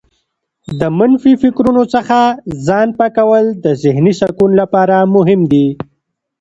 د منفي فکرونو څخه ځان پاکول د ذهنې سکون لپاره مهم دي.